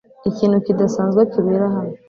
Ikintu kidasanzwe kibera hano.